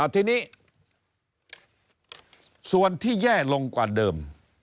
ทีนี้ส่วนที่แย่ลงกว่าเดิม